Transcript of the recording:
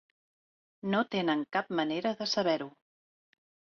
No tenen cap manera de saber-ho.